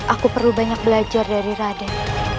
aku perlu banyak belajar dari raden